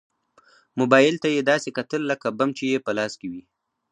موبايل ته يې داسې کتل لکه بم چې يې په لاس کې وي.